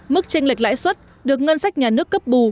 mức tranh lệch lãi suất được ngân sách nhà nước cấp bù